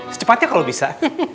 secepatnya kalau bisa